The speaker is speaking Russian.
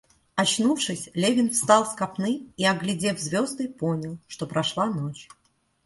Очнувшись, Левин встал с копны и, оглядев звезды, понял, что прошла ночь.